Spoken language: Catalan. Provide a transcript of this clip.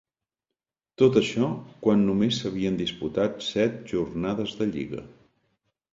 Tot això, quan només s’havien disputat set jornades de lliga.